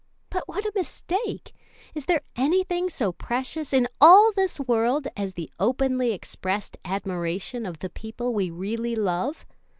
But what a mistake! Is there anything so precious in all this world as the openly expressed admiration of the people we really love?